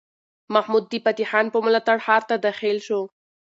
محمود د فتح خان په ملاتړ ښار ته داخل شو.